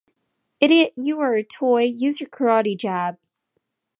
Idiot! You are a toy! Use your karate jab!